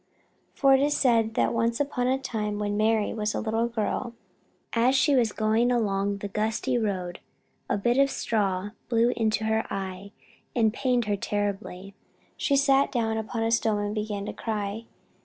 For it is said that once upon a time, when Mary was a little girl, as she was going along the gusty road a bit of straw blew into her eye and pained her terribly. She sat down upon a stone and began to cry.